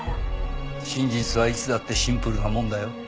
真実はいつだってシンプルなもんだよ。